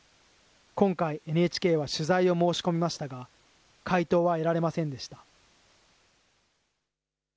今回、ＮＨＫは取材を申し込みましたが、回答は得られませんでした。